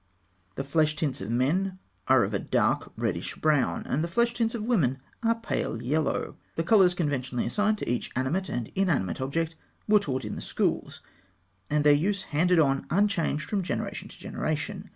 The flesh tints of men are of a dark reddish brown, and the flesh tints of women are pale yellow. The colours conventionally assigned to each animate and inanimate object were taught in the schools, and their use handed on unchanged from generation to generation.